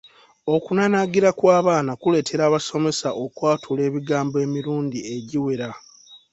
Okunanaanagira kw’abaana kuleetera abasomesa okwatula ebigambo emirundi egiwera.